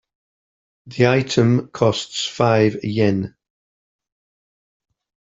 The item costs five Yen.